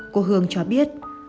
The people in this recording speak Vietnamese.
cô hương cho biết